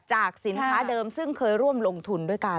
สินค้าเดิมซึ่งเคยร่วมลงทุนด้วยกัน